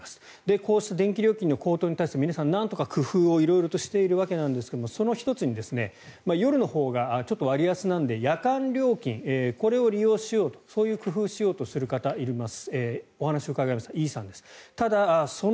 こうした電気料金の高騰に対して皆さんなんとか工夫をしているわけですがその１つに夜のほうがちょっと割安なので夜間料金を利用しようという工夫をしようとする方がいます。